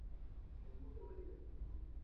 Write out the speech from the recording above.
پېروی یا لاندی کول د ژمي دود دی.